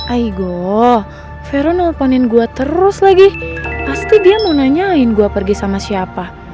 aigoo vero nelponin gua terus lagi pasti dia mau nanyain gua pergi sama siapa